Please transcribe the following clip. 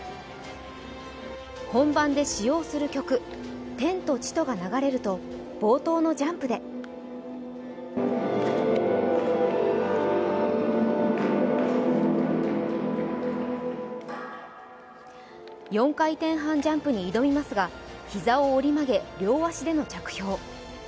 本番で使用する曲「天と地と」が流れると冒頭のジャンプで４回転半ジャンプに挑みますが、膝を折り曲げ両足での着氷。